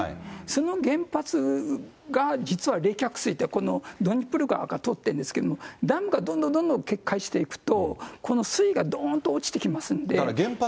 その原発が実は冷却水って、このドニプロ川から取ってるんですけど、ダムがどんどんどんどん決壊していくと、この水位がどーんと落ちてきますんで。